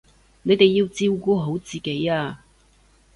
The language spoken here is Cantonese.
你哋要照顧好自己啊